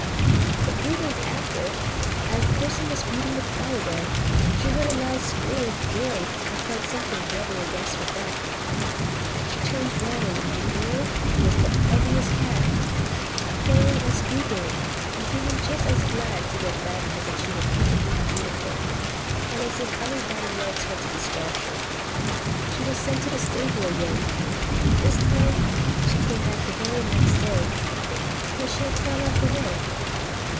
But three days after, as the Person was weeding the flowerbed, she heard a loud squeal of joy, and felt something rubbing against her back; she turned round, and there was the Ugliest Cat, purring and squeaking, and seeming just as glad to get back as if she were perfectly beautiful, and as if everybody loved her to distraction. She was sent to the stable again, but this time she came back the very next day, because she had found out the way.